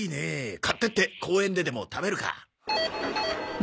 買っていって公園ででも食べるか。